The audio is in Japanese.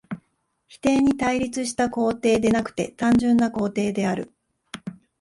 否定に対立した肯定でなくて単純な肯定である。